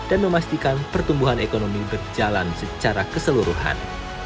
dan memastikan pertumbuhan ekonomi berjalan secara keseluruhan